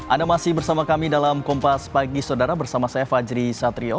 anda masih bersama kami dalam kompas pagi saudara bersama saya fajri satrio